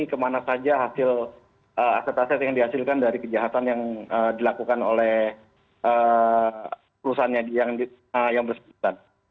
kemana saja hasil aset aset yang dihasilkan dari kejahatan yang dilakukan oleh perusahaannya yang bersangkutan